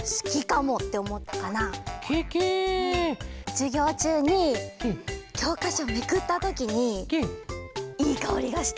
じゅぎょうちゅうにきょうかしょめくったときにいいかおりがしたの。